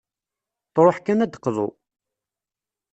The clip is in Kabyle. Truḥ kan ad d-teqḍu.